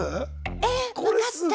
えっ分かった！